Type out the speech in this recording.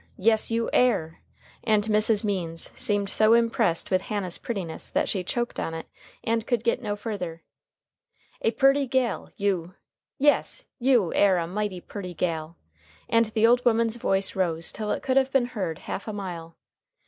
Yes, you air" and Mrs. Means seemed so impressed with Hannah's prettiness that she choked on it, and could get no further. "A purty gal! you! Yes! you air a mighty purty gal!" and the old woman's voice rose till it could have been heard half a mile.